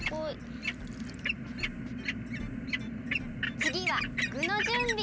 つぎはぐのじゅんび。